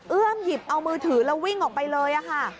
หยิบเอามือถือแล้ววิ่งออกไปเลยค่ะ